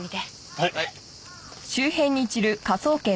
はい。